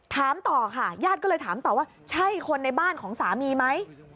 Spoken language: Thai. ถามต่อค่ะญาติก็เลยถามต่อว่าใช่คนในบ้านของสามีไหม